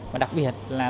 và đặc biệt là